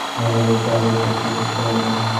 ভালো করে তলিয়ে দেখলে বুঝতে পারবেন।